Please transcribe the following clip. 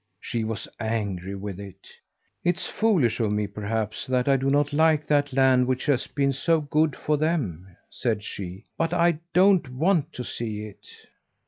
She was angry with it. "It's foolish of me, perhaps, that I do not like that land which has been so good for them," said she. "But I don't want to see it."